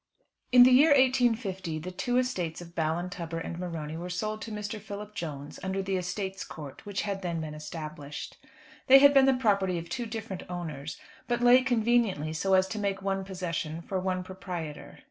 In the year 1850 the two estates of Ballintubber and Morony were sold to Mr. Philip Jones, under the Estates Court, which had then been established. They had been the property of two different owners, but lay conveniently so as to make one possession for one proprietor.